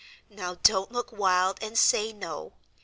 Now, don't look wild, and say no.